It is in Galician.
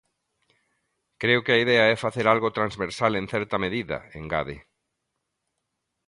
"Creo que a idea é facer algo transversal en certa medida", engade.